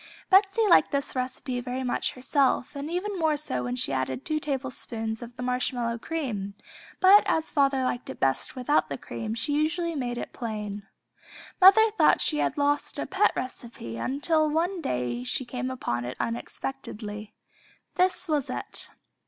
Betsey liked this recipe very much herself, and even more so when she added two tablespoons of the marshmallow cream, but as father liked it best without the cream she usually made it plain. Mother thought she had lost a pet recipe until one day she came upon it unexpectedly. This was it.